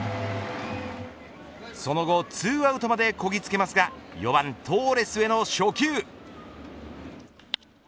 その後２アウトまでこぎつけますが４番トーレスへ初球。